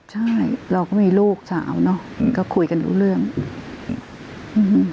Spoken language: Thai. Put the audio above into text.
ใช่เราก็มีลูกสาวเนอะก็คุยกันรู้เรื่องอืม